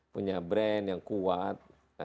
punya brand yang kuat